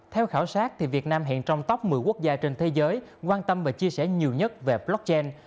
theo khảo sát việt nam hiện trong top một mươi quốc gia trên thế giới quan tâm và chia sẻ nhiều nhất về blockchain